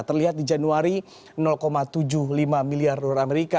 terlihat di januari tujuh puluh lima miliar dolar amerika